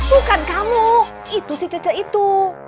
bukan kamu itu si cucu itu